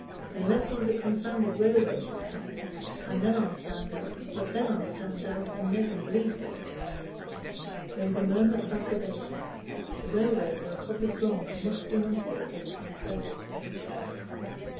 "Unless one of the confounded railways should come. But then I'll stand out and make 'em bleed for it." There was a murmur of approbation; the railways were a public wrong much denunciated in Treby.